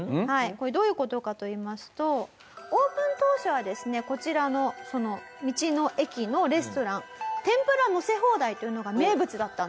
これどういう事かといいますとオープン当初はですねこちらの道の駅のレストラン「天ぷらのせ放題」というのが名物だったんです。